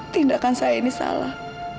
tindakan saya ini salah